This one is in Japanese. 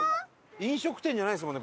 飲食店じゃないですもんね